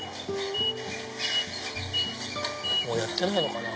もうやってないのかな。